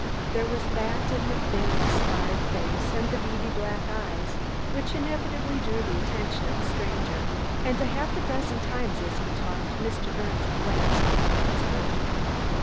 There was that in the thin, scarred face and in the beady black eyes which inevitably drew the attention of a stranger, and half a dozen times as he talked Mr. Birnes glanced at the expert.